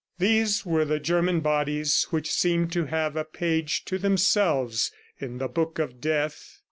These were the German bodies which seemed to have a page to themselves in the Book of Death.